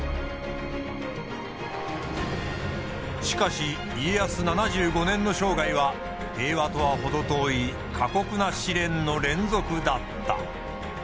しかし家康７５年の生涯は平和とは程遠い過酷な試練の連続だった。